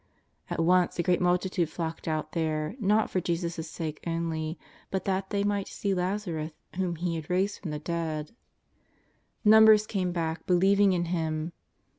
At once a great multitude flocked out there, not for Jesus' sake only, but that they might see Lazarus whom He had raised from the dead. Numbers came back believing in Him.